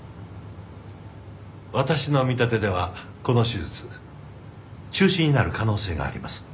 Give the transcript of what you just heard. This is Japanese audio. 私の見立てではこの手術中止になる可能性があります。